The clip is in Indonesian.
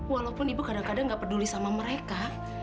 walaupun ibu kadang kadang gak peduli sama mereka